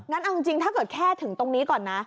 เอาจริงถ้าเกิดแค่ถึงตรงนี้ก่อนนะ